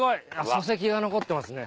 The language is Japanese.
礎石が残ってますね